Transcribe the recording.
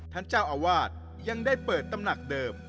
ท่านเจ้าอาวาสยังได้เปิดตำหนักเดิม